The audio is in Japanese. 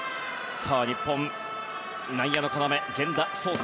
日本、内野の要、源田壮亮。